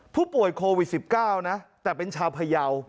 ผู้ป่วยโควิด๑๙นะแต่เป็นชาวพยาว